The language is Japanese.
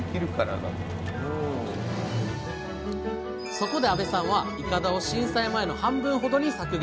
そこで阿部さんはいかだを震災前の半分ほどに削減。